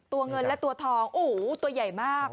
ตัวเงินและตัวทองตัวใหญ่มาก